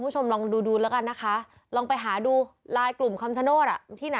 ซื้อเลยควรหามานี่อะ